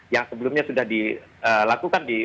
yang sebelumnya sudah dilakukan